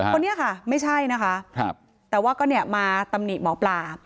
คนนี้ค่ะไม่ใช่นะคะแต่ว่าก็เนี่ยมาตำหนิหมอปลา